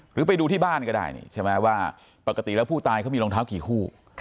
หรือไปดูที่บ้านก็ได้ปกติแล้วผู้ตายเขามีรองเท้ากี่คู่